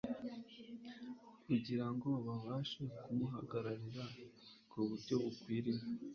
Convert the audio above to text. kugira ngo babashe kumuhagararira ku buryo bukwiriye,